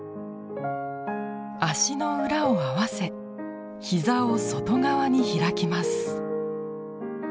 脚の裏を合わせ膝を外側に開きます。